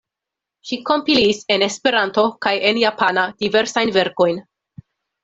Ŝi kompilis en Esperanto kaj en japana diversajn verkojn.